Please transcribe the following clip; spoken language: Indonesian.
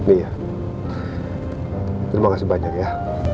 iya terima kasih banyak ya